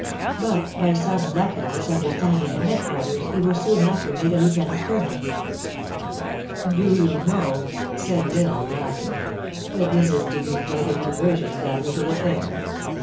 But, by some lucky misunderstanding at headquarters, you were soon after made a lieut. colonel." " Do you know," said L Isle, laughing, " that this is, to me, quite a new version of that little affair?